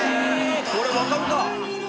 これわかるか！